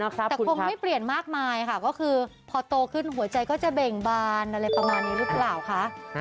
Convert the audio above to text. แต่คงไม่เปลี่ยนมากมายค่ะก็คือพอโตขึ้นหัวใจก็จะเบ่งบานอะไรประมาณนี้หรือเปล่าคะ